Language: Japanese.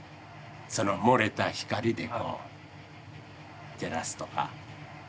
その漏れた光でこう照らすとか。